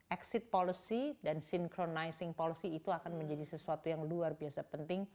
exit policy dan synchronizing policy itu akan menjadi sesuatu yang luar biasa penting